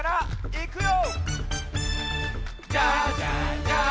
いくよ！